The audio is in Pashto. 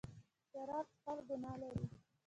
شراب څښل ګناه لري.